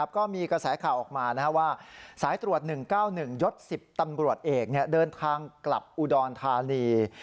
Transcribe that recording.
ก็มีกระแสข่าวออกมาว่าสายตรวจ๑๙๑ยศ๑๐ตำรวจเอกเดินทางกลับอุดรธานี